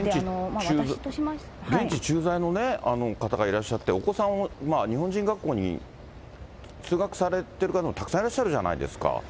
現地駐在の方がいらっしゃって、お子さんは日本人学校に通学されてる方もたくさんいらっしゃるじゃないですか。